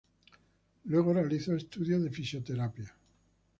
Luego realizó estudios de fisioterapia.